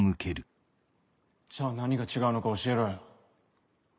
じゃあ何が違うのか教えろよ。